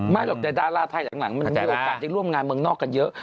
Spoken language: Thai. หรอกแต่ดาราไทยหลังมันมีโอกาสได้ร่วมงานเมืองนอกกันเยอะ